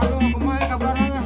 aduh kemahin kabarannya